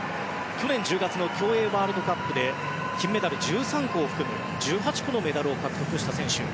去年１０月の競泳ワールドカップで金メダル１３個を含む１８個のメダルを獲得した選手。